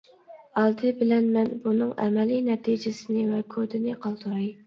ئالدى بىلەن مەن بۇنىڭ ئەمەلىي نەتىجىسىنى ۋە كودىنى قالدۇراي.